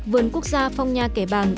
vườn quốc gia phong nha kẻ bàng